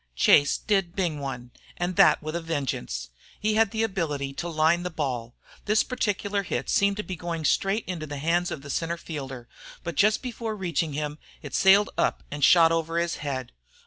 Chase did bing one, and that with a vengeance. He had the ability to line the ball. This particular hit seemed to be going straight into the hands of the centre fielder, but just before reaching him it sailed up and shot over his head.